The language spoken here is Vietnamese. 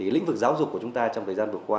lĩnh vực giáo dục của chúng ta trong thời gian vừa qua